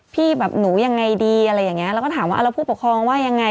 พี่หนูอย่างไรดีอะไรอย่างนี้แล้วก็ถามว่าผู้ปกครองว่ายังไง